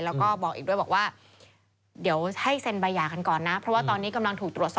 แล้วก็บอกอีกด้วยบอกว่าเดี๋ยวให้เซ็นใบหย่ากันก่อนนะ